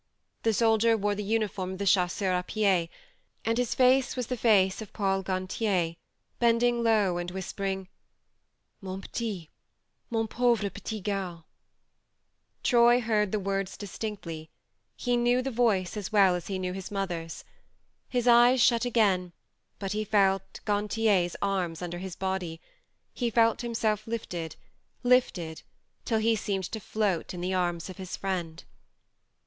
The soldier wore the uniform of the chasseurs a pied, and his face was the face of Paul Gantier, bending low and whispering :" Mon petit mon pauvre petit gars. ..." Troy heard the words distinctly, he knew the voice as well as he knew his mother's. His eyes shut again, but he felt Gantier's arms under his body, felt himself lifted, lifted, till he seemed to float in the arms of his friend.